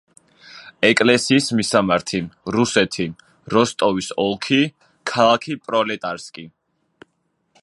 ეკლესიის მისამართი: რუსეთი, როსტოვის ოლქი, ქალაქი პროლეტარსკი.